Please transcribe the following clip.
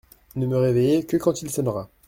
Ne me réveillez que quand il sonnera !…